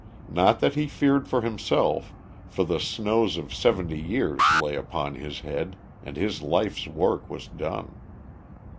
Not that he feared for himself, for the snows of seventy years lay upon his head, and his life's work was done.